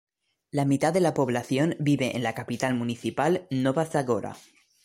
La mitad de la población vive en la capital municipal Nova Zagora.